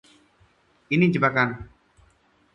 Ini jebakan!